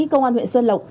công an huyện xuân lộc